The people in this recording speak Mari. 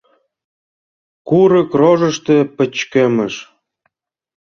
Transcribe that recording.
Курык рожышто пычкемыш.